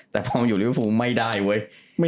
แต่ทองอยู่ริวฟูไม่ได้เว้ย